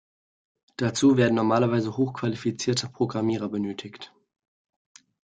Dazu werden normalerweise hochqualifizierte Programmierer benötigt.